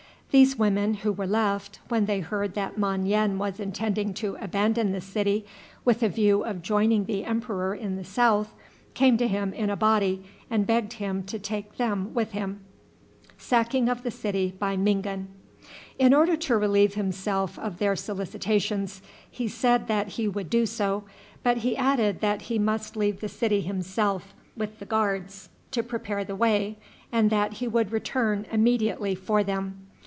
These women who were left, when they heard that Mon yen was intending to abandon the city with a view of joining the emperor in the south, came to him in a body, and begged him to take them with him. In order to relieve himself of their solicitations, he said that he would do so, but he added that he must leave the city himself with the guards to prepare the way, and that he would return immediately for them.